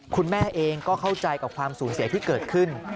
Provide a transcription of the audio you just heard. คุณแม่เองก็เข้าใจกับความสูญเสียที่เกิดขึ้น